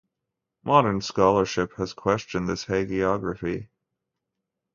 Modern scholarship has questioned this hagiography.